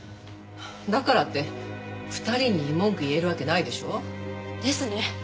だからって２人に文句言えるわけないでしょ？ですね。